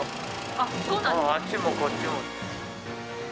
あっちもこっちも。